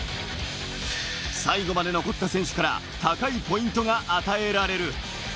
最後まで残った選手から高いポイントが与えられる。